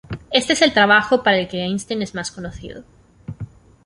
Este es el trabajo para el que Einstein es más conocido.